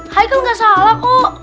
haikal gak salah kok